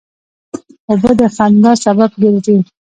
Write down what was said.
اوبه د خندا سبب ګرځي.